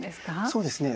そうですね